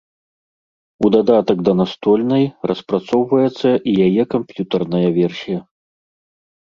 У дадатак да настольнай распрацоўваецца і яе камп'ютарная версія.